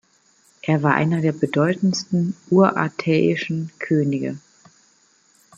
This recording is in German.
Er war einer der bedeutendsten urartäischen Könige.